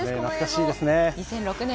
２００６年。